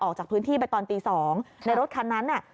ออกจากพื้นที่ไปตอนตี๒ในรถคันนั้นน่ะ